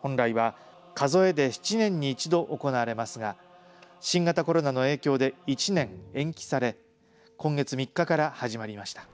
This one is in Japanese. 本来は、数えで７年に１度行われますが新型コロナの影響で１年延期され今月３日から始まりました。